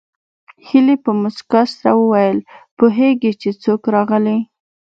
هيلې په مسکا سره وویل پوهېږې چې څوک راغلي